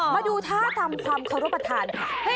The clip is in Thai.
มาดูท่าทำความเคารพระธาน